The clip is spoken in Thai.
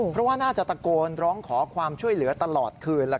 เพราะว่าน่าจะตะโกนร้องขอความช่วยเหลือตลอดคืน